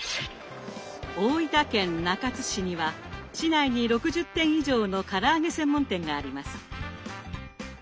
大分県中津市には市内に６０店以上のから揚げ専門店があります。